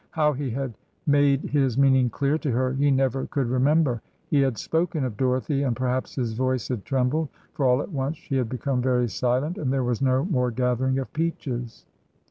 How he had made his meaning clear to her he never could remember. He had spoken of Dorothy, and perhaps his voice had trembled, for all at once she had become very silent, and there was no more gathering of peaches.